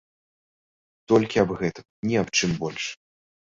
Толькі аб гэтым, ні аб чым больш.